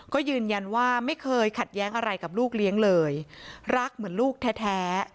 ก็ยืนยันว่าไม่เคยขัดแย้งอะไรกับลูกเลี้ยงเลยรักเหมือนลูกแท้